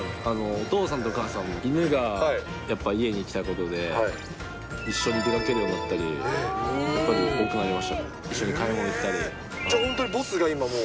お父さんとお母さん、犬がやっぱ家に来たことで、一緒に出かけるようになったり、やっぱり多くなりましたね、一緒に買い物行った本当にボスが今もう。